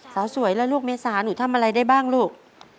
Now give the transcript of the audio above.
สาวสวยแล้วลูกเมษาหนูทำอะไรได้บ้างลูก